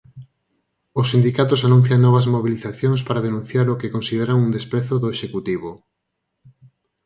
Os sindicatos anuncian novas mobilizacións para denunciar o que consideran un desprezo do Executivo.